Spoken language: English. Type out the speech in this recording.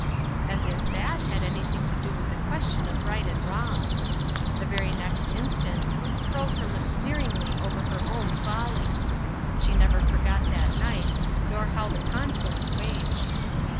As if that had anything to do with the question of right and wrong! The very next instant Ruth curled her lip sneeringly over her own folly. She never forgot that night, nor how the conflict waged.